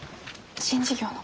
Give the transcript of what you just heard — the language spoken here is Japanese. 新事業の？